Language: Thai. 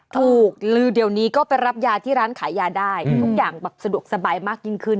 ถูกลือเดี๋ยวนี้ก็ไปรับยาที่ร้านขายยาได้ทุกอย่างแบบสะดวกสบายมากยิ่งขึ้น